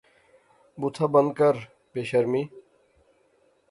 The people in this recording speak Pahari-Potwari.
بوتھا بند کر، بے شرمی